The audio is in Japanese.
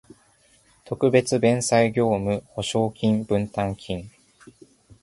特別弁済業務保証金分担金